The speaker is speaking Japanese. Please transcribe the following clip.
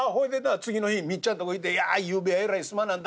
次の日みっちゃんのとこ行って『いやゆうべはえらいすまなんだ。